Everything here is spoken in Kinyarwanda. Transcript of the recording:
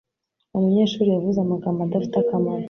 Umunyeshuri yavuze amagambo adafite akamaro.